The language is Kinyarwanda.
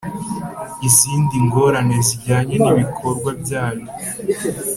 izindi ngorane zijyana n ibikorwa byayo